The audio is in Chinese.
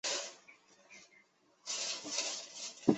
刘冠佑。